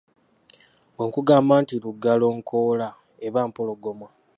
Bwe nkugamba nti Lugalonkoola, eba Mpologoma.